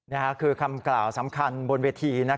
นี่คือคำกล่าวสำคัญบนเวที